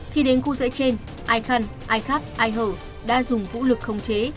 khi đến khu rễ trên ai khăn ai khắp ai hở đã dùng vũ lực không chế